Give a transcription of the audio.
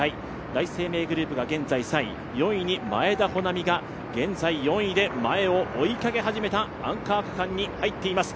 第一生命グループが現在３位、前田穂南が現在４位で前を追いかけ始めたアンカー区間に入っています。